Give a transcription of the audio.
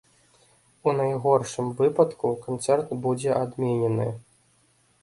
У найгоршым выпадку канцэрт будзе адменены.